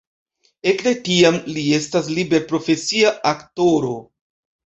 Ekde tiam li estas liberprofesia aktoro.